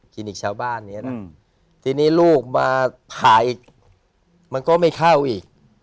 คลินิกชาวบ้านอย่างเงี้ยนะทีนี้ลูกมาหาอีกมันก็ไม่เข้าอีก